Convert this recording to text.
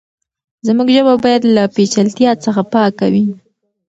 زموږ ژبه بايد له پېچلتيا څخه پاکه وي.